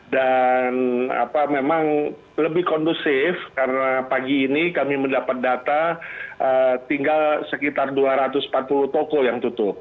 dan memang lebih kondusif karena pagi ini kami mendapat data tinggal sekitar dua ratus empat puluh toko yang tutup